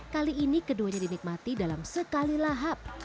kali ini keduanya dinikmati dalam sekali lahap